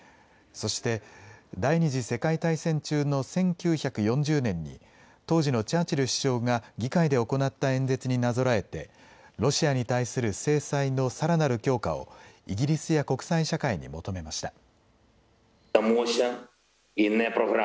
そして、第２次世界大戦中の１９４０年に当時のチャーチル首相が議会で行った演説になぞらえてロシアに対する制裁のさらなる強化をイギリスや国際社会に求めました。